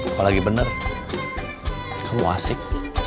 apalagi bener kamu asik